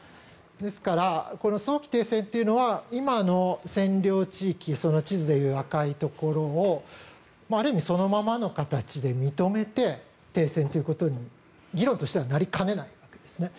ですから、早期停戦というのは今の占領地域地図でいう赤いところをある意味そのままの形で認めて停戦ということに議論としてはなりかねないわけですね。